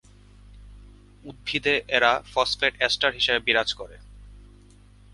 উদ্ভিদে এরা phosphate ester হিসেবে বিরাজ করে।